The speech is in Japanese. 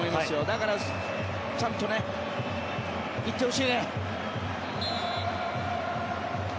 だからちゃんと行ってほしいね。